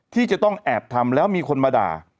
ที่จะต้องแอบทำแล้วมีคนมาด่า